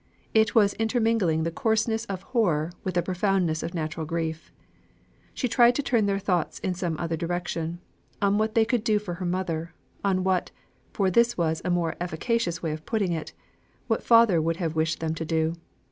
It was intermingling the coarseness of horror with the profoundness of natural grief. She tried to turn their thoughts in some other direction; on what they could do for mother; on what for this was a more efficacious way of putting it what father would have wished them to do.